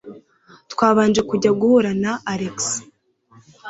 twabanje kujya guhura na alex